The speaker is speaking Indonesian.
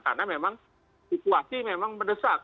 karena memang situasi memang mendesak